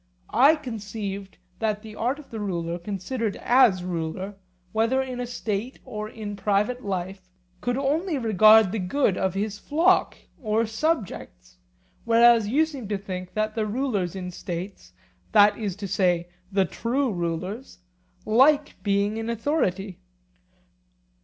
I conceived that the art of the ruler, considered as ruler, whether in a state or in private life, could only regard the good of his flock or subjects; whereas you seem to think that the rulers in states, that is to say, the true rulers, like being in authority.